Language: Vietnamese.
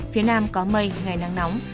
phía nam có mây ngày nắng nóng